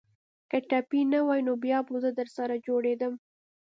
که ټپي نه واى نو بيا به زه درسره جوړېدم.